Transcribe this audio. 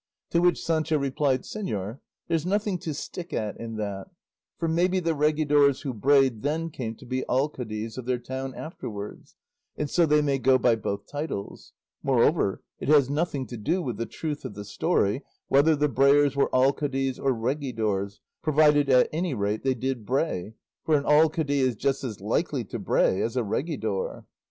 To which Sancho replied, "Señor, there's nothing to stick at in that, for maybe the regidors who brayed then came to be alcaldes of their town afterwards, and so they may go by both titles; moreover, it has nothing to do with the truth of the story whether the brayers were alcaldes or regidors, provided at any rate they did bray; for an alcalde is just as likely to bray as a regidor."